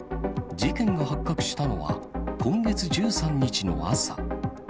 事件が発覚したのは、今月１３日の朝。